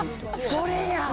それや！